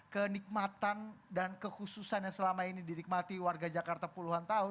kenikmatan dan kekhususan yang selama ini didikmati warga jakarta puluhan tahun